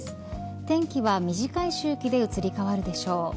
天気は短い周期で移り変わるでしょう。